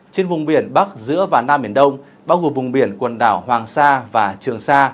trên vùng biển bắc giữa và nam biển đông bao gồm vùng biển quần đảo hoàng sa và trường sa